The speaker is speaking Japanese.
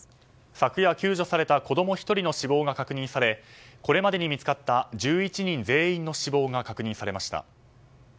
昨夜、救助された子供１人の死亡が確認されこれまでに見つかった１１人全員の死亡が確認されました。